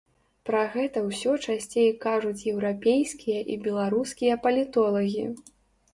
Пра гэта ўсё часцей кажуць еўрапейскія і беларускія палітолагі.